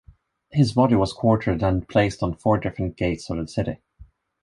His body was quartered and placed on four different gates of the city.